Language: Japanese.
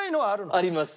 あります。